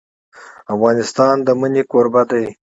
افغانستان د منی کوربه دی.